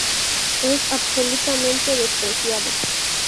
es absolutamente despreciado